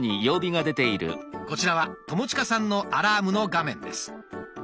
こちらは友近さんのアラームの画面です。